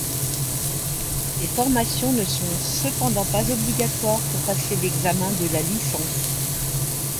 Ces formations ne sont cependant pas obligatoires pour passer l'examen de la licence.